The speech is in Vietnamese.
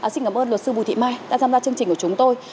xin cảm ơn luật sư bùi thị mai đã tham gia chương trình của chúng tôi